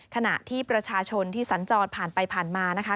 ขณะที่ประชาชนที่สัญจรผ่านไปผ่านมานะคะ